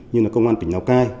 như là công an tỉnh nào cai